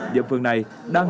điện phương này đang